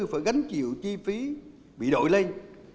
phải gánh chịu chi phí bị đội lên